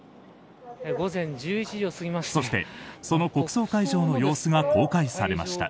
そして、その国葬会場の様子が公開されました。